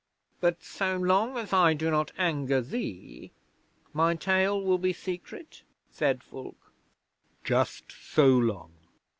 '"But so long as I do not anger thee, my tale will be secret?" said Fulke. '"Just so long.